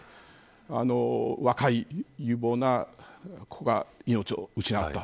若い有望な子が命を失った。